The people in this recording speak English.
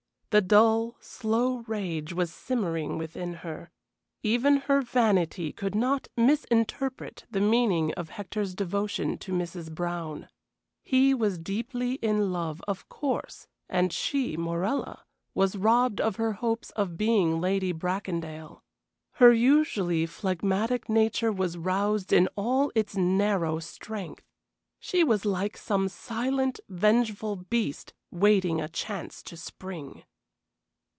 The dull, slow rage was simmering within her. Even her vanity could not misinterpret the meaning of Hector's devotion to Mrs. Brown. He was deeply in love, of course, and she, Morella, was robbed of her hopes of being Lady Bracondale. Her usually phlegmatic nature was roused in all its narrow strength. She was like some silent, vengeful beast waiting a chance to spring.